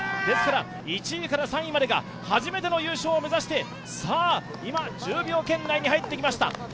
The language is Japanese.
ですから１位から３位までが初めての優勝を目指してさあ、今１０秒圏内に入ってきました。